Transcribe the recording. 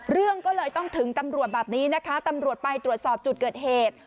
เรื่องก็เลยต้องถึงตำรวจแบบนี้นะคะตำรวจไปตรวจสอบจุดเกิดเหตุ